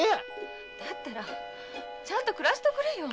だったらちゃんと暮らしておくれよ！